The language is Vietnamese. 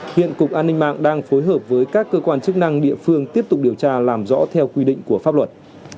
hiện cục an ninh mạng đang phối hợp với các cơ quan chức năng địa phương tiếp tục điều tra làm rõ theo quy định của pháp luật